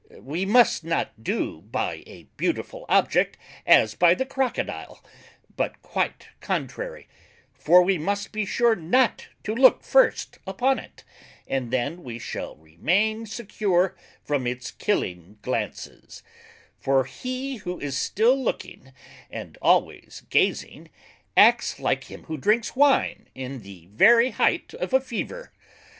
We must not do by a beautiful Object as by the Crocodile, but quite contrary; for we must be sure not to look first upon it, and then we shall remain secure from its killing glances: for, he who is still looking, and always gazing, acts like him who drinks Wine in the very heighth of a Fever.